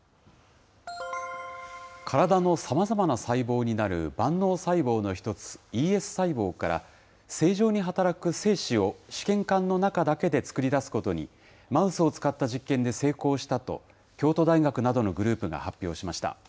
体のさまざまな細胞になる万能細胞の一つ、ＥＳ細胞から、正常に働く精子を試験管の中だけで作り出すことに、マウスを使った実験で成功したと、京都大学などのグループが発表しました。